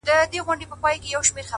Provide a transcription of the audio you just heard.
علم د عقل او شعور سرچینه ده.!